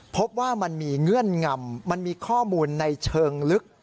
พบว่ามันมีเงื่อนงำมันมีข้อมูลในเชิงลึก